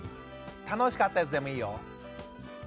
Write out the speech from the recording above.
楽しかったやつでもいいよ。